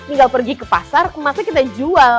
tinggal pergi ke pasar emasnya kita jual